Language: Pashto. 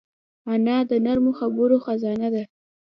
انا د نرمو خبرو خزانه ده